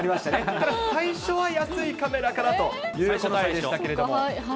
ただ最初は安いカメラかなという答えでしたけれども。